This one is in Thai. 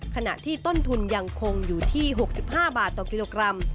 ขณะที่ต้นทุนยังคงอยู่ที่๖๕บาทต่อกิโลกรัม